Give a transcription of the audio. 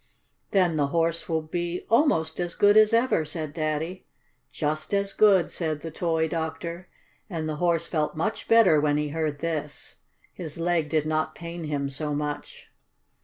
"Then the Horse will be almost as good as ever," said Daddy. "Just as good," said the toy doctor, and the Horse felt much better when he heard this. His leg did not pain him so much.